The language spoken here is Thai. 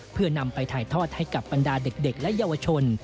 เพื่อนำไปถ่ายทอดให้กับบรรดาเด็กและเยาวชน